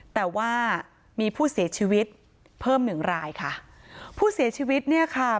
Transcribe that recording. แต่ว่ามีผู้เสียชีวิตเพิ่มหนึ่งรายค่ะผู้เสียชีวิตเนี่ยค่ะ